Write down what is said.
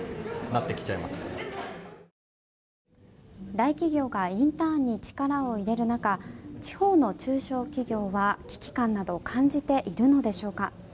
大企業がインターンに力を入れる中地方の中小企業は危機感など感じているのでしょうか。